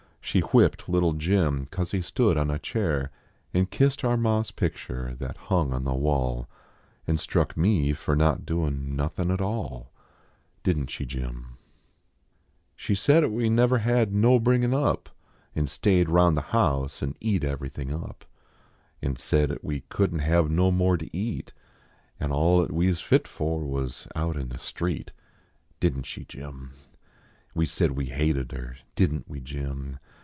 She whipped little Jim cause he stood on a chair An kissed our ma s picture that hung on the wall, An struck me fer not doin nothin at all Didn t she. Jim ? .\"r /r7:\ JIMf She said "at we never had no bringin* up, An stayed "round the house an eat everything up, An said at we couldn t have no more to eat, An all at we s fit for was out in the street Didn t she, Jim ? We said at we hated her, didn t we, Jim